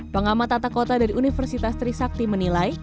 pengamat tata kota dari universitas trisakti menilai